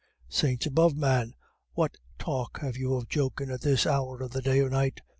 "Saints above, man, what talk have you of jokin' at this hour of the day or night?"